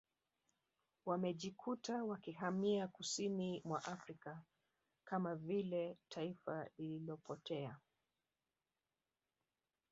Wamejikuta wakihamia kusini mwa Afrika Kama vile taifa lililopotea